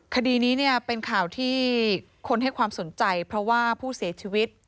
คดีนี้เนี่ยเป็นข่าวที่คนให้ความสนใจเพราะว่าผู้เสียชีวิต